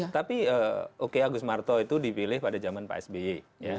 tapi agus marto itu dipilih pada zaman pak sbi